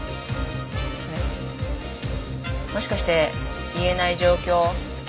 もしかして言えない状況？